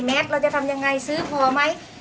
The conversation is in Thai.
เราจะทำยังไงซื้อพอไหม